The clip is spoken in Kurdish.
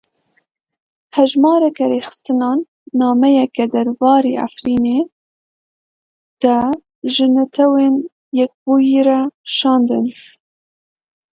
Hejmarek rêxistinan nameyek derbarê Efrînê de ji Netewên Yekbûyî re şandin.